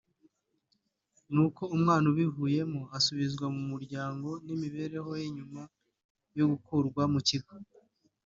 n’uko umwana ibivuyemo asubizwa mu muryango n’imibereho ye nyuma yo gukurwa mu kigo